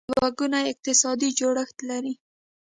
دوه ګونی اقتصادي جوړښت لري.